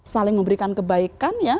saling memberikan kebaikan ya